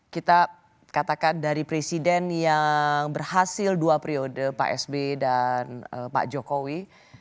kita katakan dari presiden yang berhasil dua periode pak sb dan pak jokowi